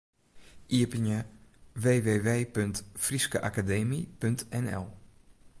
Iepenje www.fryskeakademy.nl.